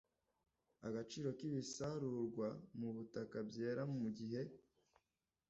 agaciro kibisarurwa mu butaka byera mu gihe